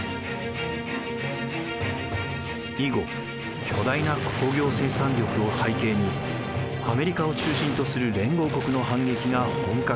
以後巨大な工業生産力を背景にアメリカを中心とする連合国の反撃が本格化。